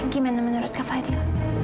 gimana menurut kak fadil